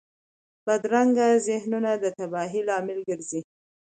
بدرنګه ذهنونه د تباهۍ لامل ګرځي